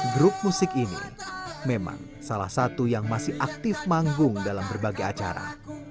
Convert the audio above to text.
grup musik ini memang salah satu yang masih aktif manggung dalam berbagai acara